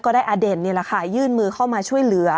ได้อเด่นนี่แหละค่ะยื่นมือเข้ามาช่วยเหลือ